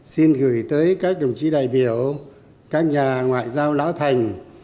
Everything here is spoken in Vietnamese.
xin gửi tới các đồng chí đại biểu các nhà ngoại giao lão thành